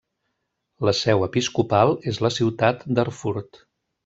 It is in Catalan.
La seu episcopal és la ciutat d'Erfurt.